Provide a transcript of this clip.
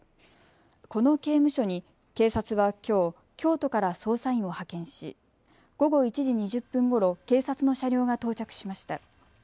この刑務所に警察はきょう京都から捜査員を派遣し午後１時２０分ごろ、警察の車両が到着しました。